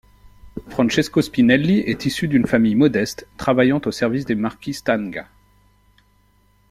Francesco Spinelli est issu d'une famille modeste, travaillant au service des marquis Stanga.